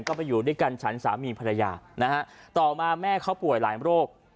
ก็ไปอยู่ด้วยกันฉันสามีภรรยานะฮะต่อมาแม่เขาป่วยหลายโรค